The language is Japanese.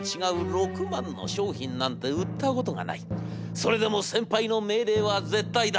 それでも先輩の命令は絶対だ。